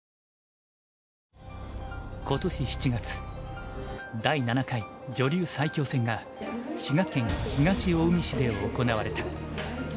今年７月第７回女流最強戦が滋賀県東近江市で行われた。